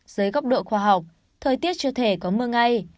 dưới góc độ khoa học thời tiết chưa thể có mưa ngay